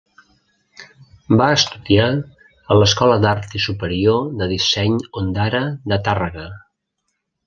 Va estudiar a l'Escola d'Art i Superior de Disseny Ondara de Tàrrega.